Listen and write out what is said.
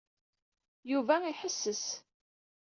Yuba iḥesses.